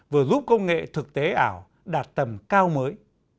vừa giúp công nghệ thực tế ảo đạt tầm cao mới